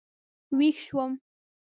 وېښ شوم.